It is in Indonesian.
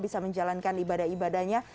bisa menjalankan ibadah ibadahnya